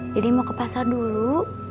jadi mau ke pasar dulu